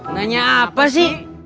nanya apa sih